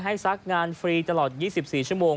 ซักงานฟรีตลอด๒๔ชั่วโมง